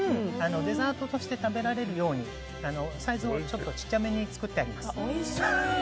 デザートとして食べられるようにサイズをちょっと小さめに作ってあります。